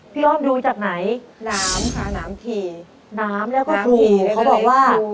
พี่อ้อมดูจากไหนน้ำค่ะน้ำถี่น้ำแล้วก็ถูเขาบอกว่า